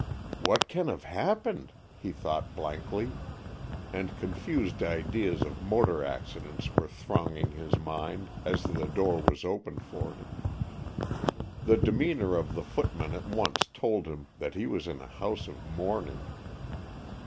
"What can have happened?" he thought blankly, and confused ideas of motor accidents were thronging his mind as the door was opened for him. The demeanor of the footman at once told him that he was in a house of mourning.